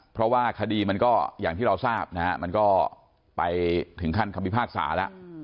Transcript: เพราะว่าคดีมันก็อย่างที่เราทราบนะฮะมันก็ไปถึงขั้นคำพิพากษาแล้ว